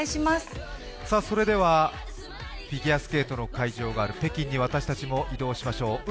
フィギュアスケートの会場がある北京に私たちも移動しましょう。